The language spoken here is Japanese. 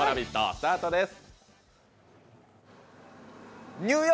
スタートです。